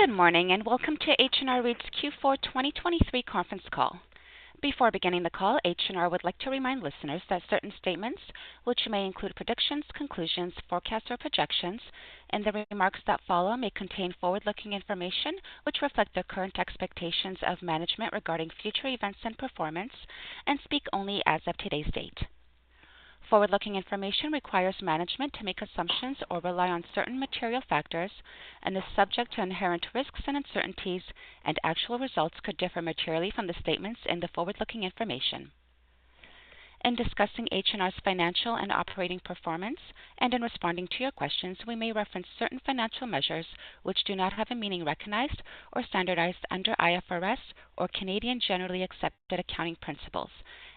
Good morning, and welcome to H&R REIT's Q4 2023 conference call. Before beginning the call, H&R would like to remind listeners that certain statements, which may include predictions, conclusions, forecasts, or projections, and the remarks that follow may contain forward-looking information, which reflect their current expectations of management regarding future events and performance, and speak only as of today's date. Forward-looking information requires management to make assumptions or rely on certain material factors, and is subject to inherent risks and uncertainties, and actual results could differ materially from the statements in the forward-looking information. In discussing H&R's financial and operating performance, and in responding to your questions, we may reference certain financial measures which do not have a meaning recognized or standardized under IFRS or Canadian generally accepted accounting principles,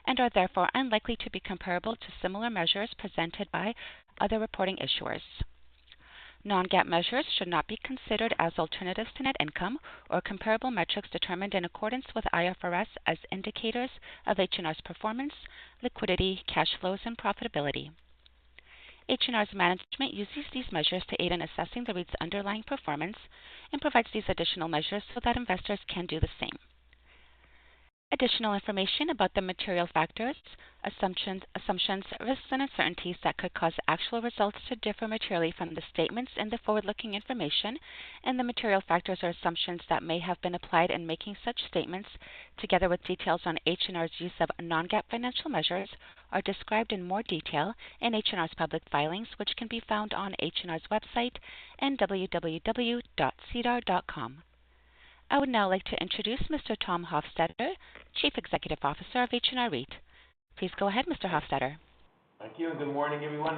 and are therefore unlikely to be comparable to similar measures presented by other reporting issuers. Non-GAAP measures should not be considered as alternatives to net income or comparable metrics determined in accordance with IFRS as indicators of H&R's performance, liquidity, cash flows, and profitability. H&R's management uses these measures to aid in assessing the REIT's underlying performance and provides these additional measures so that investors can do the same. Additional information about the material factors, assumptions, risks, and uncertainties that could cause actual results to differ materially from the statements in the forward-looking information, and the material factors or assumptions that may have been applied in making such statements, together with details on H&R's use of non-GAAP financial measures, are described in more detail in H&R's public filings, which can be found on H&R's website and www.sedar.com. I would now like to introduce Mr. Tom Hofstedter, Chief Executive Officer of H&R REIT. Please go ahead, Mr. Hofstedter. Thank you, and good morning, everyone.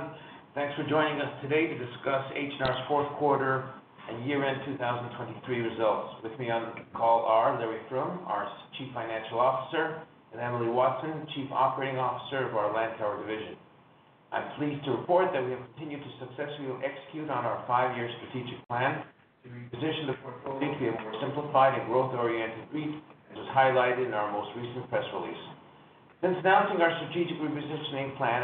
Thanks for joining us today to discuss H&R's fourth quarter and year-end 2023 results. With me on the call are Larry Froom, our Chief Financial Officer, and Emily Watson, Chief Operating Officer of our Lantower division. I'm pleased to report that we have continued to successfully execute on our five-year strategic plan to reposition the portfolio for a more simplified and growth-oriented REIT, as was highlighted in our most recent press release. Since announcing our strategic repositioning plan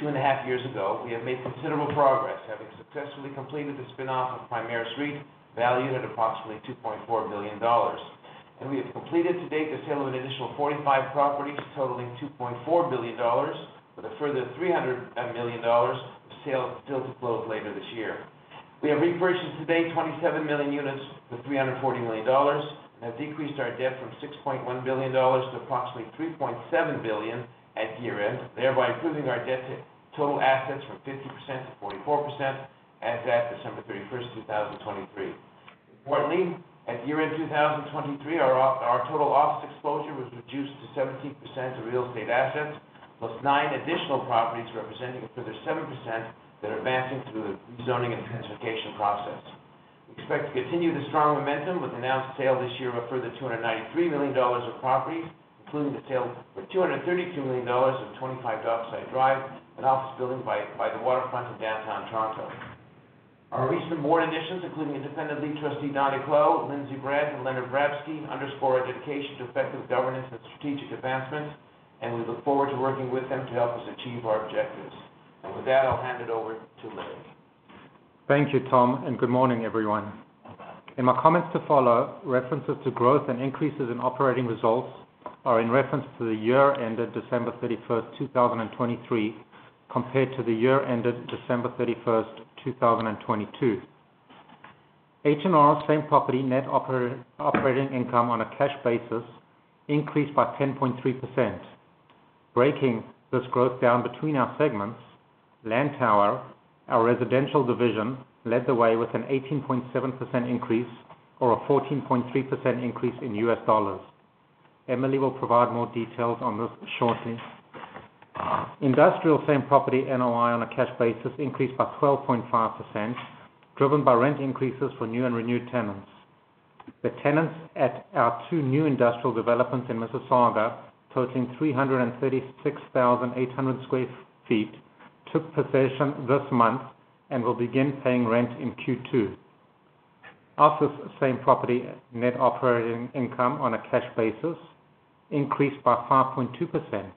2.5 years ago, we have made considerable progress, having successfully completed the spin-off of Primaris REIT, valued at approximately 2.4 billion dollars. We have completed to date the sale of an initial 45 properties, totaling 2.4 billion dollars, with a further 300 million dollars of sales still to close later this year. We have repurchased to date 27 million units for 340 million dollars, and have decreased our debt from $6.1 billion to approximately $3.7 billion at year-end, thereby improving our debt to total assets from 50% to 44% as at December 31, 2023. Importantly, at year-end 2023, our our total office exposure was reduced to 17% of real estate assets, plus nine additional properties representing a further 7% that are advancing through the rezoning and intensification process. We expect to continue the strong momentum with the announced sale this year of a further 293 million dollars of properties, including the sale for 232 million dollars of 25 Dockside Drive, an office building by the waterfront in downtown Toronto. Our recent board additions, including Independent Lead Trustee Donald Clow, Lindsay Brand, and Leonard Abramsky, underscore our dedication to effective governance and strategic advancement, and we look forward to working with them to help us achieve our objectives. With that, I'll hand it over to Larry. Thank you, Tom, and good morning, everyone. In my comments to follow, references to growth and increases in operating results are in reference to the year ended December 31, 2023, compared to the year ended December 31, 2022. H&R same property net operating income on a cash basis increased by 10.3%. Breaking this growth down between our segments, Lantower, our residential division, led the way with an 18.7% increase or a 14.3% increase in USD. Emily will provide more details on this shortly. Industrial same property NOI on a cash basis increased by 12.5%, driven by rent increases for new and renewed tenants. The tenants at our two new industrial developments in Mississauga, totaling 336,800 sq ft, took possession this month and will begin paying rent in Q2. Office same property net operating income on a cash basis increased by 5.2%.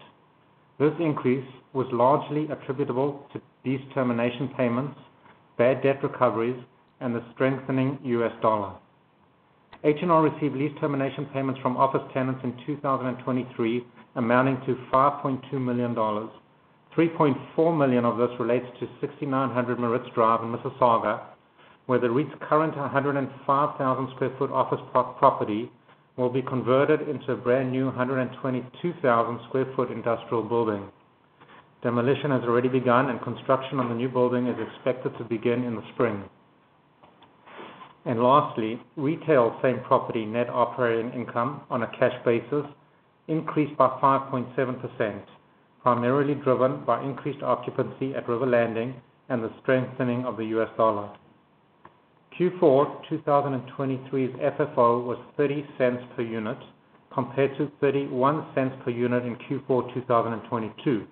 This increase was largely attributable to these termination payments, bad debt recoveries, and the strengthening US dollar. H&R received lease termination payments from office tenants in 2023, amounting to 5.2 million dollars. 3.4 million of this relates to 6900 Maritz Drive in Mississauga, where the REIT's current 105,000 sq ft office property will be converted into a brand new 122,000 sq ft industrial building. Demolition has already begun, and construction on the new building is expected to begin in the spring. Lastly, retail same property net operating income on a cash basis increased by 5.7%, primarily driven by increased occupancy at River Landing and the strengthening of the US dollar. Q4 2023's FFO was 0.30 per unit, compared to 0.31 per unit in Q4 2022.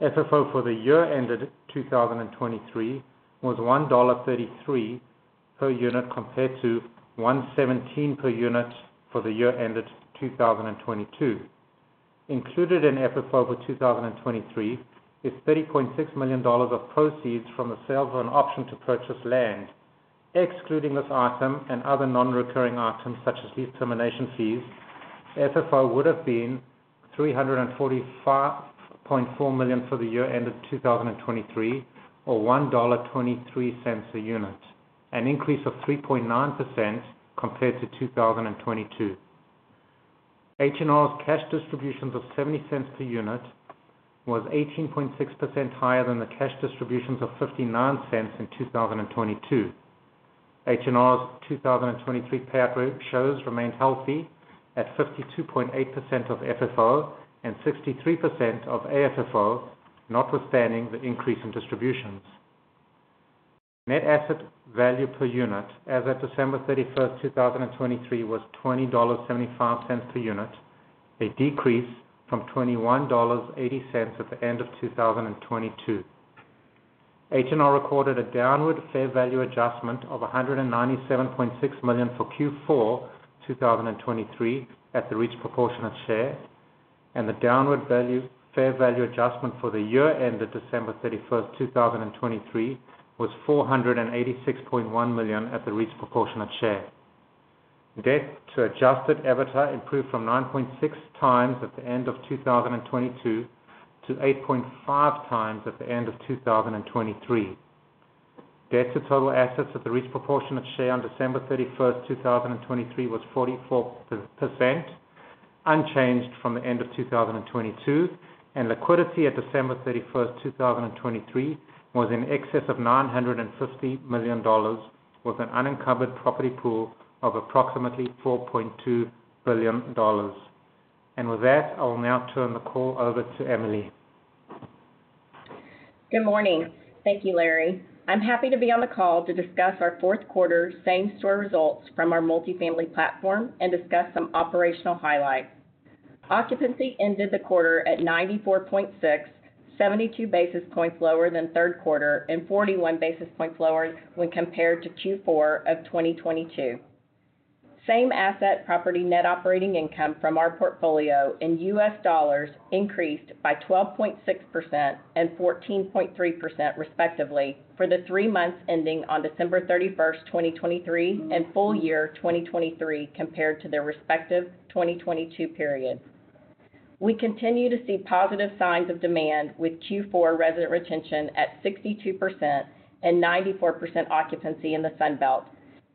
FFO for the year ended 2023 was 1.33 dollar per unit, compared to 1.17 per unit for the year ended 2022. Included in FFO for 2023 is 30.6 million dollars of proceeds from the sale of an option to purchase land. Excluding this item and other non-recurring items such as lease termination fees, FFO would have been 345.4 million for the year ended 2023, or 1.23 dollar a unit, an increase of 3.9% compared to 2022. H&R's cash distributions of 0.70 per unit was 18.6% higher than the cash distributions of 0.59 in 2022. H&R's 2023 payout ratios remained healthy at 52.8% of FFO and 63% of AFFO, notwithstanding the increase in distributions. Net asset value per unit as at December 31, 2023, was 20.75 dollars per unit, a decrease from 21.80 dollars at the end of 2022. H&R recorded a downward fair value adjustment of 197.6 million for Q4 2023, at the REIT's proportionate share, and the downward fair value adjustment for the year ended December 31, 2023, was 486.1 million at the REIT's proportionate share. Debt to adjusted EBITDA improved from 9.6x at the end of 2022 to 8.5x at the end of 2023. Debt to total assets at the REIT's proportionate share on December 31, 2023, was 44%, unchanged from the end of 2022, and liquidity at December 31, 2023, was in excess of 950 million dollars, with an unencumbered property pool of approximately 4.2 billion dollars. With that, I will now turn the call over to Emily. Good morning. Thank you, Larry. I'm happy to be on the call to discuss our fourth quarter same-store results from our multifamily platform and discuss some operational highlights. Occupancy ended the quarter at 94.6, 72 basis points lower than third quarter and 41 basis points lower when compared to Q4 of 2022. Same-property net operating income from our portfolio in U.S. dollars increased by 12.6% and 14.3%, respectively, for the three months ending on December 31, 2023, and full year 2023, compared to their respective 2022 periods. We continue to see positive signs of demand, with Q4 resident retention at 62% and 94% occupancy in the Sun Belt,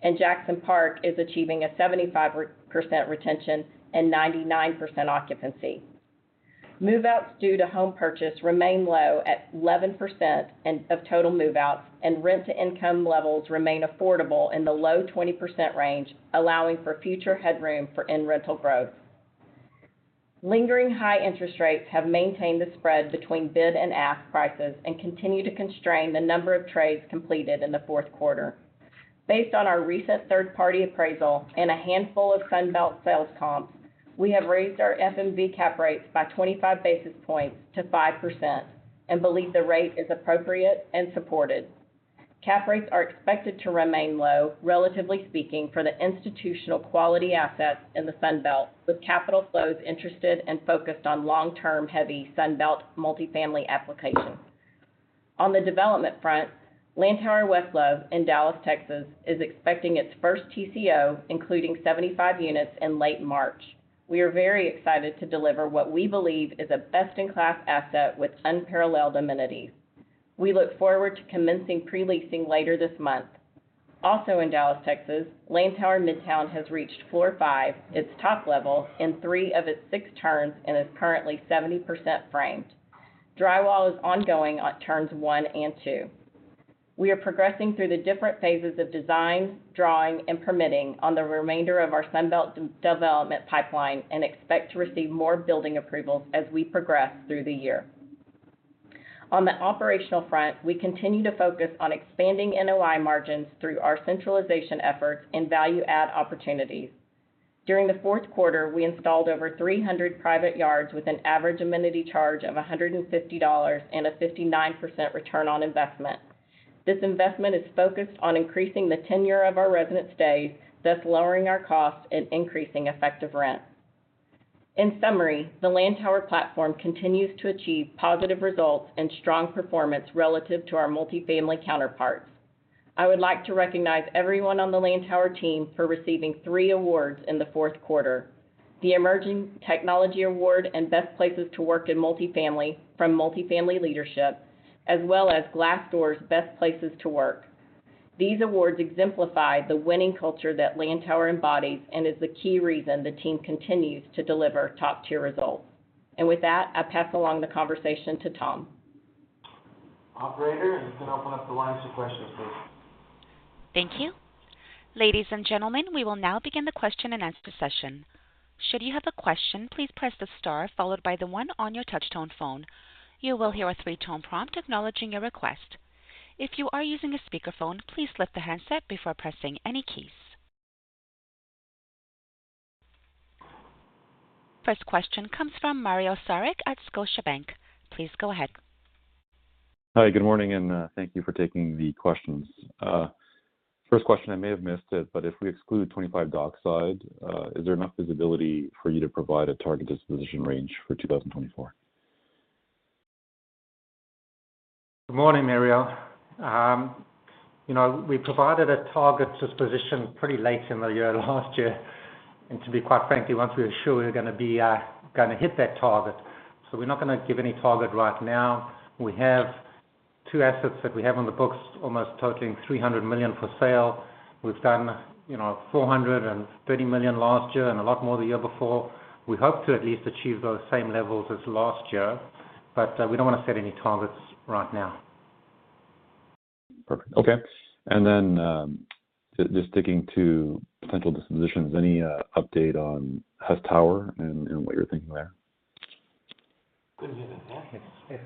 and Jackson Park is achieving a 75% retention and 99% occupancy. Move-outs due to home purchase remain low at 11% and, of total move-outs, and rent-to-income levels remain affordable in the low 20% range, allowing for future headroom for in-rental growth. Lingering high interest rates have maintained the spread between bid and ask prices and continue to constrain the number of trades completed in the fourth quarter. Based on our recent third-party appraisal and a handful of Sun Belt sales comps, we have raised our FMV cap rates by 25 basis points to 5% and believe the rate is appropriate and supported. Cap rates are expected to remain low, relatively speaking, for the institutional quality assets in the Sun Belt, with capital flows interested and focused on long-term, heavy Sun Belt multifamily applications. On the development front, Lantower West Love in Dallas, Texas, is expecting its first TCO, including 75 units in late March. We are very excited to deliver what we believe is a best-in-class asset with unparalleled amenities. We look forward to commencing pre-leasing later this month. Also in Dallas, Texas, Lantower Midtown has reached floor 5, its top level, in 3 of its 6 turns, and is currently 70% framed. Drywall is ongoing on turns 1 and 2. We are progressing through the different phases of design, drawing, and permitting on the remainder of our Sun Belt development pipeline and expect to receive more building approvals as we progress through the year. On the operational front, we continue to focus on expanding NOI margins through our centralization efforts and value-add opportunities. During the fourth quarter, we installed over 300 private yards with an average amenity charge of $150 and a 59% return on investment. This investment is focused on increasing the tenure of our residents' stay, thus lowering our costs and increasing effective rent. In summary, the Lantower platform continues to achieve positive results and strong performance relative to our multifamily counterparts. I would like to recognize everyone on the Lantower team for receiving three awards in the fourth quarter: the Emerging Technology Award and Best Places to Work in Multifamily from Multifamily Leadership, as well as Glassdoor's Best Places to Work. These awards exemplify the winning culture that Lantower embodies and is the key reason the team continues to deliver top-tier results. With that, I pass along the conversation to Tom. Operator, you can open up the lines to questions, please. Thank you. Ladies and gentlemen, we will now begin the question-and-answer session. Should you have a question, please press the star followed by the one on your touchtone phone. You will hear a three-tone prompt acknowledging your request. If you are using a speakerphone, please lift the handset before pressing any keys. First question comes from Mario Saric at Scotiabank. Please go ahead. Hi, good morning, and thank you for taking the questions. First question, I may have missed it, but if we exclude 25 Dockside, is there enough visibility for you to provide a target disposition range for 2024? Good morning, Mario. You know, we provided a target disposition pretty late in the year last year, and to be quite frankly, once we were sure we were gonna be gonna hit that target. So we're not gonna give any target right now. We have two assets that we have on the books, almost totaling 300 million for sale. We've done, you know, 430 million last year and a lot more the year before. We hope to at least achieve those same levels as last year, but we don't want to set any targets right now. Perfect. Okay. And then, just sticking to potential dispositions, any update on Hess Tower and what you're thinking there? Good evening. Yeah. Yes. Yeah.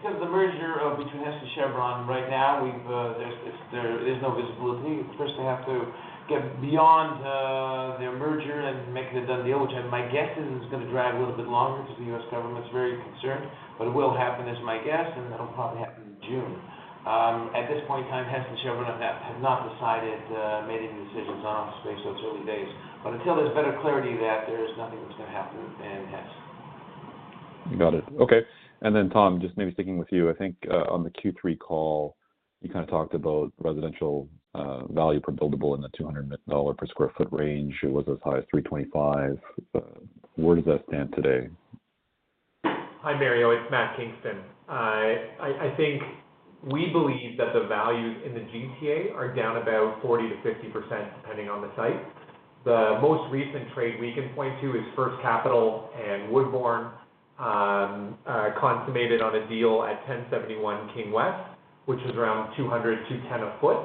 Because the merger between Hess and Chevron right now, there's no visibility. First, they have to get beyond their merger and making it a done deal, which my guess is, it's gonna drag a little bit longer because the U.S. government's very concerned. But it will happen, is my guess, and that'll probably happen in June. At this point in time, Hess and Chevron have not made any decisions, honestly, so it's early days. But until there's better clarity, there's nothing that's gonna happen in Hess. Got it. Okay. And then, Tom, just maybe sticking with you, I think, on the Q3 call, you kind of talked about residential value per buildable in the 200 dollar per sq ft range. It was as high as 325. Where does that stand today? Hi, Mario, it's Matt Kingston. I think we believe that the values in the GTA are down about 40%-50%, depending on the site. The most recent trade we can point to is First Capital and Woodbourne consummated on a deal at 1071 King West, which is around 210 a foot.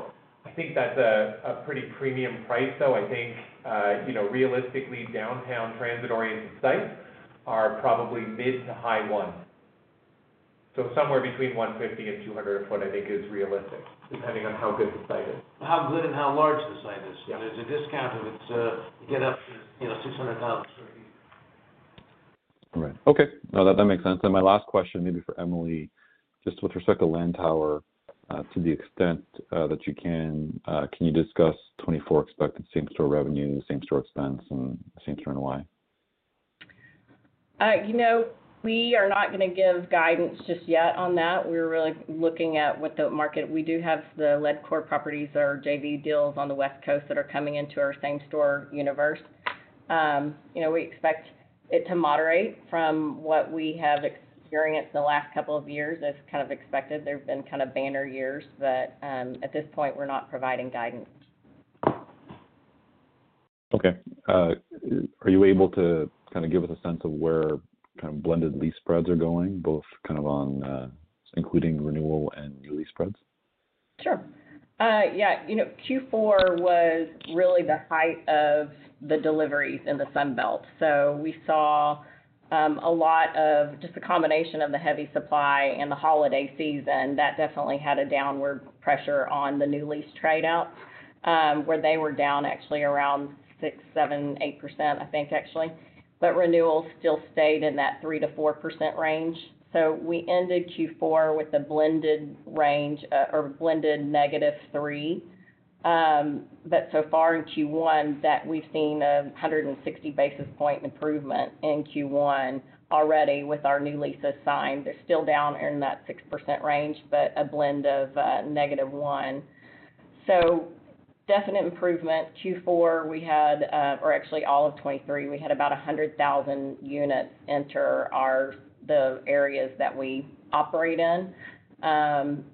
I think that's a pretty premium price, though I think, you know, realistically, downtown transit-oriented sites are probably mid to high 100. So somewhere between 150 and 200 a foot, I think is realistic, depending on how good the site is. How good and how large the site is. Yeah. There's a discount if it's get up to, you know, 600,000 sq ft. Right. Okay. No, that makes sense. Then my last question, maybe for Emily, just with respect to Lantower, to the extent that you can, can you discuss 2024 expected same-store revenue, same-store expense, and same-store NOI? You know, we are not gonna give guidance just yet on that. We're really looking at what the market. We do have the lease-up properties or JV deals on the West Coast that are coming into our same-store universe. You know, we expect it to moderate from what we have experienced in the last couple of years. As kind of expected, they've been kind of banner years, but at this point, we're not providing guidance. Okay. Are you able to kind of give us a sense of where kind of blended lease spreads are going, both kind of on, including renewal and new lease spreads? Sure. Yeah, you know, Q4 was really the height of the deliveries in the Sun Belt. So we saw a lot of just the combination of the heavy supply and the holiday season. That definitely had a downward pressure on the new lease trade out, where they were down actually around 6, 7, 8%, I think, actually. But renewals still stayed in that 3%-4% range. So we ended Q4 with a blended range, or blended -3%. But so far in Q1, that we've seen a 160 basis point improvement in Q1 already with our new leases signed. They're still down in that 6% range, but a blend of negative -1%. So definite improvement. Q4, we had, or actually all of 2023, we had about 100,000 units enter our... the areas that we operate in,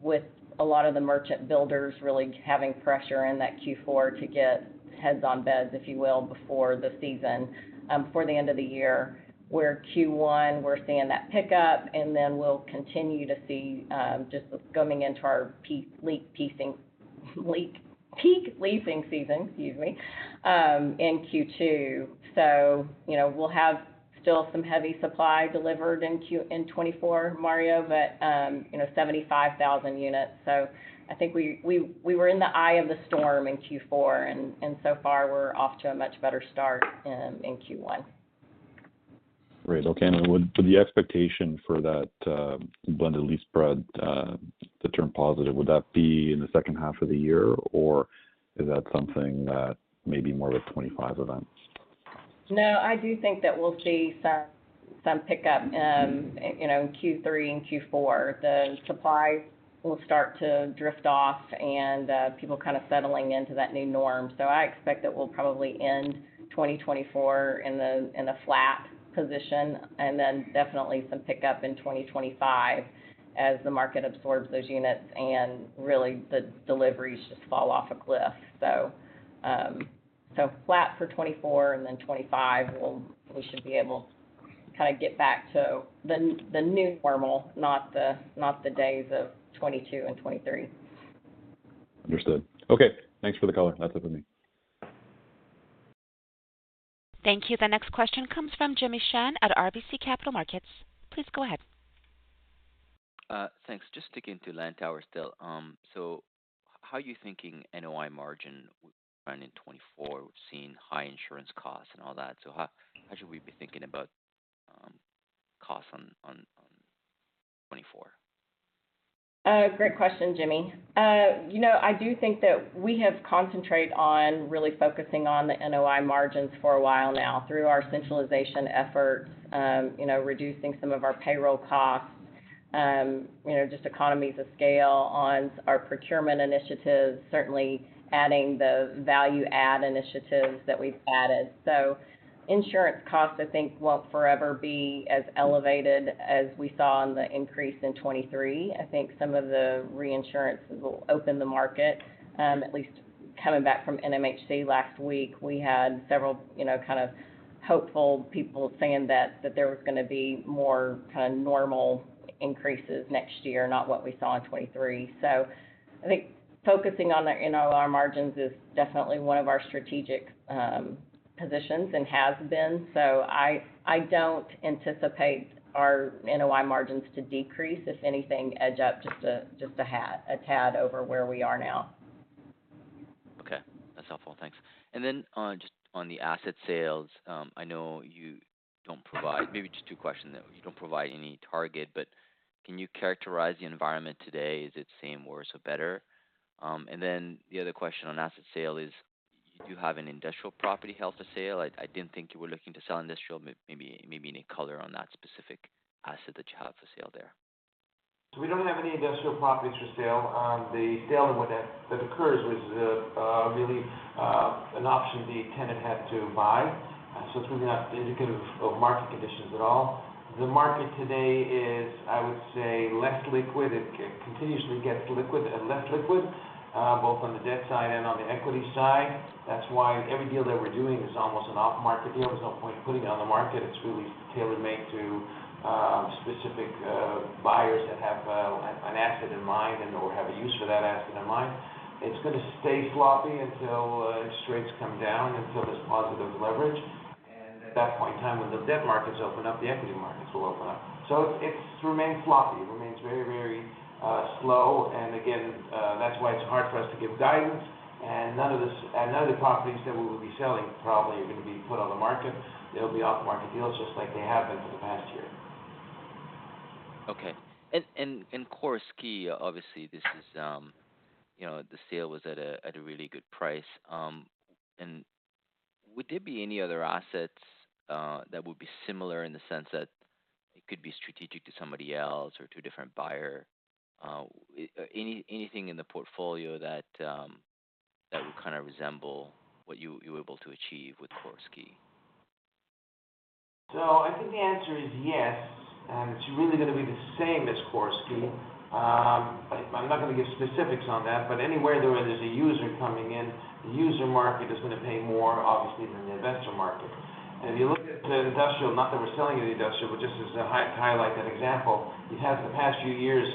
with a lot of the merchant builders really having pressure in that Q4 to get heads on beds, if you will, before the season, before the end of the year. Where Q1, we're seeing that pickup, and then we'll continue to see, just going into our peak leasing season, excuse me, in Q2. So, you know, we'll have still some heavy supply delivered in 2024, Mario, but, you know, 75,000 units. So I think we were in the eye of the storm in Q4, and so far we're off to a much better start in Q1. Great. Okay, and so the expectation for that, Blended Lease Spread, to turn positive, would that be in the second half of the year, or is that something that maybe more of a 25 event? No, I do think that we'll see some pickup, you know, Q3 and Q4. The supply will start to drift off and people kind of settling into that new norm. So I expect that we'll probably end 2024 in a flat position, and then definitely some pickup in 2025 as the market absorbs those units and really the deliveries just fall off a cliff. So, so flat for 2024, and then 2025, we'll—we should be able to kind of get back to the new norm, not the days of 2022 and 2023. Understood. Okay, thanks for the call. That's it for me. Thank you. The next question comes from Jimmy Shan at RBC Capital Markets. Please go ahead. Thanks. Just sticking to Lantower still.... How are you thinking NOI margin will run in 2024? We've seen high insurance costs and all that. So how should we be thinking about costs on 2024? Great question, Jimmy. You know, I do think that we have concentrated on really focusing on the NOI margins for a while now through our centralization efforts, you know, reducing some of our payroll costs, you know, just economies of scale on our procurement initiatives, certainly adding the value add initiatives that we've added. So insurance costs, I think, won't forever be as elevated as we saw on the increase in 2023. I think some of the reinsurances will open the market. At least coming back from NMHC last week, we had several, you know, kind of hopeful people saying that, that there was gonna be more kind of normal increases next year, not what we saw in 2023. So I think focusing on the NOI margins is definitely one of our strategic positions and has been. So I don't anticipate our NOI margins to decrease, if anything, edge up just a tad over where we are now. Okay. That's helpful. Thanks. And then on, just on the asset sales, I know you don't provide... Maybe just two questions, though. You don't provide any target, but can you characterize the environment today? Is it same, worse, or better? And then the other question on asset sale is, do you have an industrial property held for sale? I, I didn't think you were looking to sell industrial. Maybe, maybe any color on that specific asset that you have for sale there. So we don't have any industrial properties for sale. On the sale that occurred was really an option the tenant had to buy, so it's really not indicative of market conditions at all. The market today is, I would say, less liquid. It continues to get less liquid and less liquid, both on the debt side and on the equity side. That's why every deal that we're doing is almost an off-market deal. There's no point in putting it on the market. It's really tailor-made to specific buyers that have an asset in mind and or have a use for that asset in mind. It's gonna stay sloppy until interest rates come down, until there's positive leverage. And at that point in time, when the debt markets open up, the equity markets will open up. So it's remained sloppy. It remains very, very, slow, and again, that's why it's hard for us to give guidance. And none of the properties that we will be selling probably are going to be put on the market. They'll be off-market deals, just like they have been for the past year. Okay. And Corus Quay, obviously, this is, you know, the sale was at a really good price. And would there be any other assets that would be similar in the sense that it could be strategic to somebody else or to a different buyer? Anything in the portfolio that would kinda resemble what you were able to achieve with Corus Quay? So I think the answer is yes, and it's really gonna be the same as Corus Quay. I'm not gonna give specifics on that, but anywhere there where there's a user coming in, the user market is gonna pay more, obviously, than the investor market. If you look at the industrial, not that we're selling any industrial, but just as a high- to highlight that example, you have in the past few years,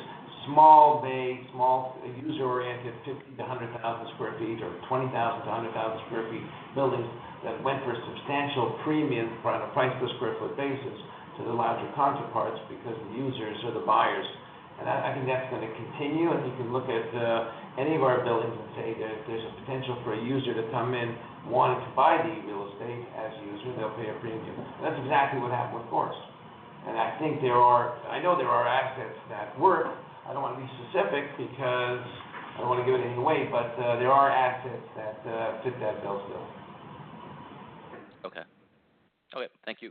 small bay, small user-oriented, 50,000-100,000 sq ft or 20,000-100,000 sq ft buildings that went for a substantial premium on a price per square foot basis to their larger counterparts because the users are the buyers. And I think that's gonna continue, and you can look at any of our buildings and say that there's a potential for a user to come in wanting to buy the real estate. As a user, they'll pay a premium. That's exactly what happened with Corus, and I think there are... I know there are assets that work. I don't want to be specific because I don't want to give anything away, but there are assets that fit that bill still. Okay. Okay, thank you.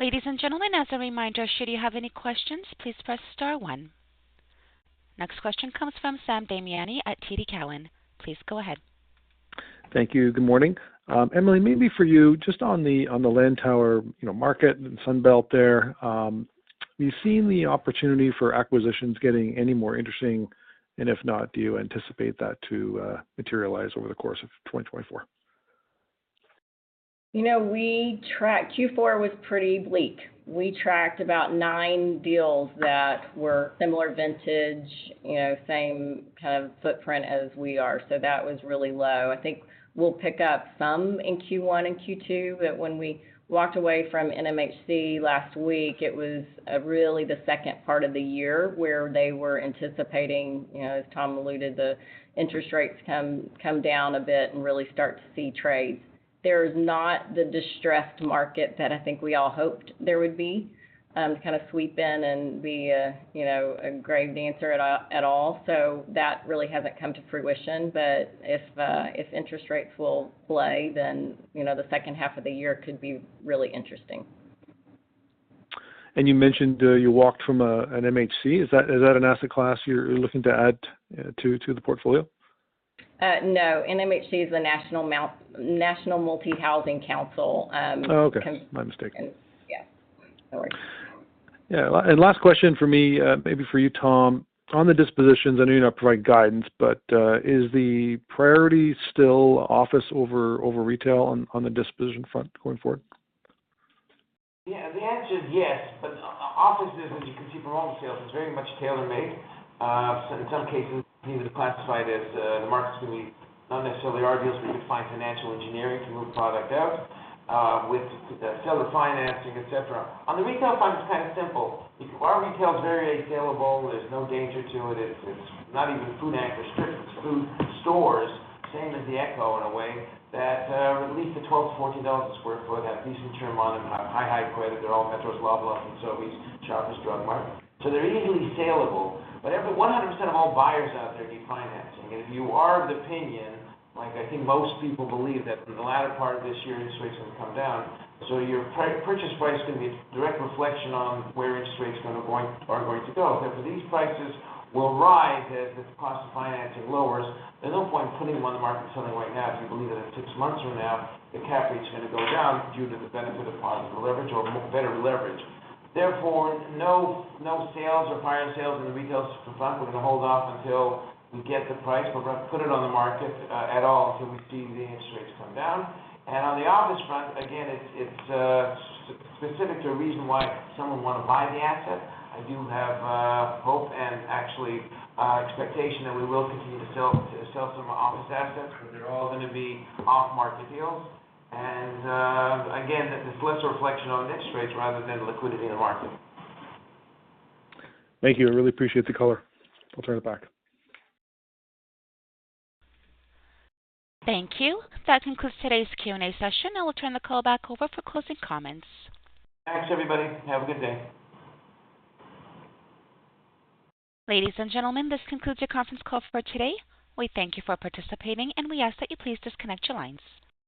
Ladies and gentlemen, as a reminder, should you have any questions, please press star one. Next question comes from Sam Damiani at TD Cowen. Please go ahead. Thank you. Good morning. Emily, maybe for you, just on the, on the Lantower, you know, market and Sun Belt there, are you seeing the opportunity for acquisitions getting any more interesting? And if not, do you anticipate that to materialize over the course of 2024? You know, we tracked... Q4 was pretty bleak. We tracked about nine deals that were similar vintage, you know, same kind of footprint as we are, so that was really low. I think we'll pick up some in Q1 and Q2, but when we walked away from NMHC last week, it was really the second part of the year where they were anticipating, you know, as Tom alluded, the interest rates come down a bit and really start to see trades. There's not the distressed market that I think we all hoped there would be, to kind of sweep in and be a, you know, a grave dancer at all. So that really hasn't come to fruition, but if interest rates will play, then, you know, the second half of the year could be really interesting. You mentioned you walked from NMHC. Is that an asset class you're looking to add to the portfolio? No. NMHC is the National Multifamily Housing Council. Oh, okay. My mistake. Yes. No worries. Yeah, and last question for me, maybe for you, Tom. On the dispositions, I know you're not providing guidance, but, is the priority still office over retail on the disposition front going forward? Yeah, the answer is yes, but office, as you can see from all the sales, is very much tailor-made. So in some cases, we need to classify it as, the market's going to be not necessarily our deals, but you find financial engineering to move product out, with the seller financing, et cetera. On the retail front, it's kind of simple. If our retail is very saleable, there's no danger to it, it's, it's not even food and restrictions, it's food stores, same as the Echo in a way, that, at least the 12-14 dollars/sq ft have decent term on them, have high, high credit. They're all Metros, blah, blah, and so we... Shoppers Drug Mart. So they're easily saleable, but 100% of all buyers out there do financing. If you are of the opinion, like I think most people believe, that in the latter part of this year, interest rates are going to come down, so your purchase price is going to be a direct reflection on where interest rates are going, are going to go. Therefore, these prices will rise as the cost of financing lowers. There's no point in putting them on the market and selling right now if you believe that in six months from now, the cap rate is going to go down due to the benefit of positive leverage or better leverage. Therefore, no, no sales or higher sales in the retail front. We're going to hold off until we get the price. We're going to put it on the market at all until we see the interest rates come down. And on the office front, again, it's specific to a reason why someone want to buy the asset. I do have hope and actually expectation that we will continue to sell some office assets, but they're all going to be off-market deals. And again, this is less a reflection on interest rates rather than liquidity in the market. Thank you. I really appreciate the color. I'll turn it back. Thank you. That concludes today's Q&A session. I will turn the call back over for closing comments. Thanks, everybody. Have a good day. Ladies and gentlemen, this concludes your conference call for today. We thank you for participating, and we ask that you please disconnect your lines.